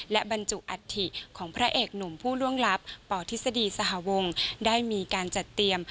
และบรรจุอัฐิของพระเอกหนุ่มผู้ล่วงลับปทฤษฎีสหวงได้มีการจัดเตรียม